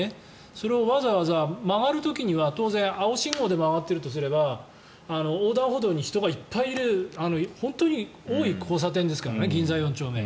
それをわざわざ曲がる時には当然、青信号で曲がっているとすれば横断歩道に人がいっぱいいる本当に多い交差点ですからね銀座４丁目。